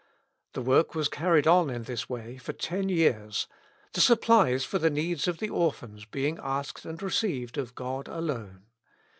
The work was carried on in this way for ten years, the supplies for the needs of the orphans being asked and received of God alone.